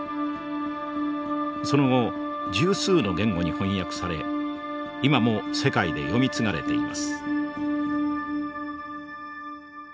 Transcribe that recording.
その後十数の言語に翻訳され今も世界で読み継がれています。